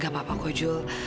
gak apa apa kok julie